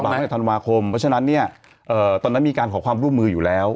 ตั้งแต่ธันวาคมเพราะฉะนั้นเนี่ยตอนนั้นมีการขอความร่วมมืออยู่แล้ว